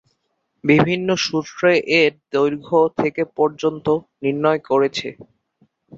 বিভিন্ন সূত্র এর দৈর্ঘ্য থেকে পর্যন্ত নির্ণয় করেছে।